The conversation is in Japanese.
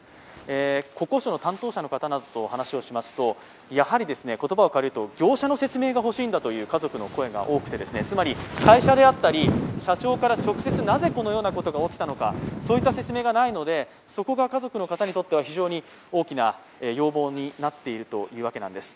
国交省の担当者の方とお話を聞きますとやはり言葉を借りると、業者の説明が欲しいんだという家族の声が多くて、つまり会社であったり社長から直接、なぜこういったことが起きたのかそういった説明がないのでそこが家族の方にとっては非常に大きな要望になっているというわけなんです。